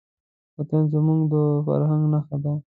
وطن زموږ د فرهنګ نښه ده.